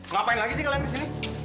ngapain lagi sih kalian di sini